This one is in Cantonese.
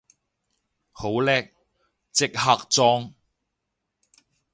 好叻，即刻裝